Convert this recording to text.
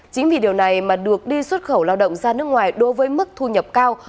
chính vì điều này mà được đi xuất khẩu lao động ra nước ngoài đối với mức thu nhập cao